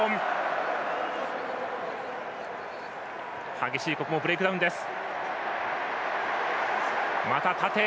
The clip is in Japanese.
激しいブレイクダウンです。